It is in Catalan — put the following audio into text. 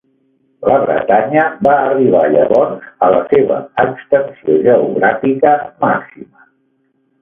La Bretanya va arribar llavors a la seva extensió geogràfica màxima.